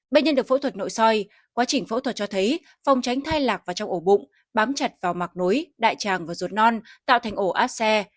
bệnh nhân được phẫu thuật nội soi quá trình phẫu thuật cho thấy phòng tránh thai lạc và trong ổ bụng bám chặt vào mặt nối đại tràng và ruột non tạo thành ổ áp xe